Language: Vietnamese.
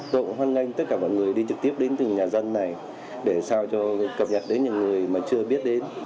tôi cũng hoan nghênh tất cả mọi người đi trực tiếp đến từng nhà dân này để sao cho cập nhật đến những người mà chưa biết đến